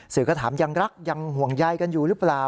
สื่อก็ถามยังรักยังห่วงใยกันอยู่หรือเปล่า